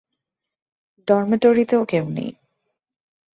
ডরমেটরীতেও কেউ নেই।